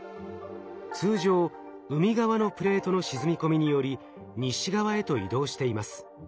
通常海側のプレートの沈み込みにより西側へと移動しています。